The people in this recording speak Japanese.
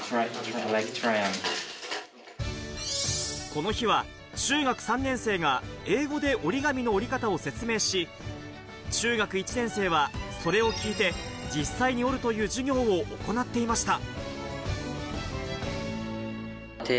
この日は中学３年生が英語で折り紙の折り方を説明し、中学１年生はそれを聞いて、実際に折るという授業を行っていました。